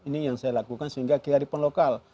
ini yang saya lakukan sehingga keharipan lokal